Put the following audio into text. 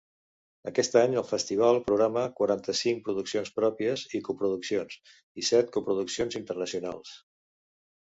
Aquest any el festival programa quaranta-cinc produccions pròpies i coproduccions, i set coproduccions internacionals.